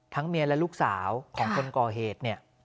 เมียและลูกสาวของคนก่อเหตุเนี่ย